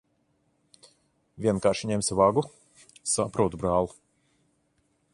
Vienkārši ņemsi vagu? Saprotu, brāl'.